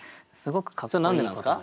それ何でなんですか？